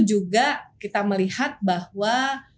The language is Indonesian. juga kita melihat bahwa